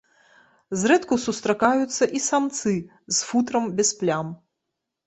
Зрэдку сустракаюцца і самцы з футрам без плям.